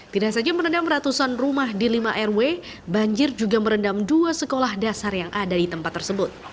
tidak saja merendam ratusan rumah di lima rw banjir juga merendam dua sekolah dasar yang ada di tempat tersebut